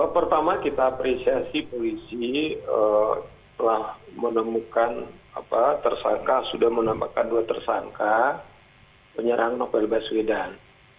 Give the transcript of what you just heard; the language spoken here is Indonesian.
pertama kita apresiasi polisi telah menemukan tersangka sudah menampakkan dua tersangka penyerang novel baswedan